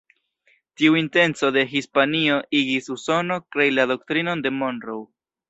Tiu intenco de Hispanio igis Usono krei la Doktrinon de Monroe.